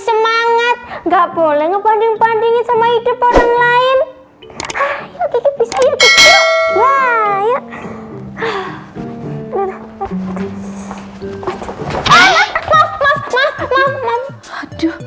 semangat nggak boleh ngebanding bandingin sama hidup orang lain ya ya ya ya ya